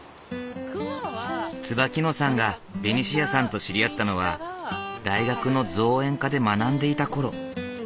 椿野さんがベニシアさんと知り合ったのは大学の造園科で学んでいた頃。